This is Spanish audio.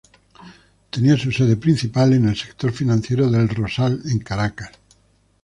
Tenía su sede principal en el sector financiero de El Rosal en Caracas.